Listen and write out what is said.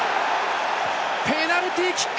ペナルティーキック！